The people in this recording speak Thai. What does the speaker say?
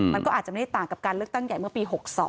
มันก็อาจจะไม่ได้ต่างกับการเลือกตั้งใหญ่เมื่อปี๖๒